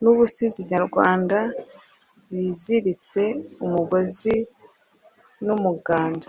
nubusizi nyarwanda biziritse umugozi n’umuganda.